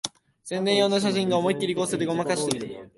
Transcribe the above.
宣伝用の写真が思いっきり合成でごまかしてる